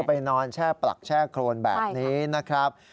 ไปนอนแช่ปลักแช่โครนแบบนี้นะครับ